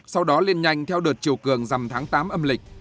sau đó lên nhanh theo đợt chiều cường dằm tháng tám âm lịch